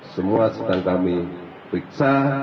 semua sedang kami periksa